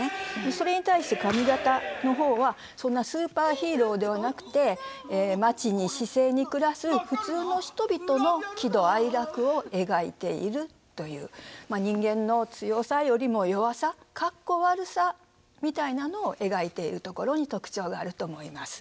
それに対して上方の方はそんなスーパーヒーローではなくて町に市井に暮らす普通の人々の喜怒哀楽を描いているというまあ人間の強さよりも弱さかっこ悪さみたいなのを描いているところに特徴があると思います。